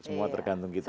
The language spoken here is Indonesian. semua tergantung kita